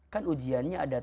kan ujiannya ada